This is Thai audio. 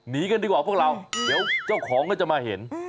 กันดีกว่าพวกเราเดี๋ยวเจ้าของก็จะมาเห็น